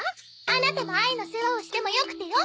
アナタもあいの世話をしてもよくてよ？